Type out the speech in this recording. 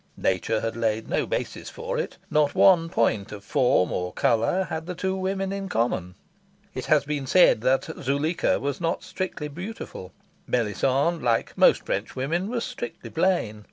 Nature had laid no basis for it. Not one point of form or colour had the two women in common. It has been said that Zuleika was not strictly beautiful. Melisande, like most Frenchwomen, was strictly plain.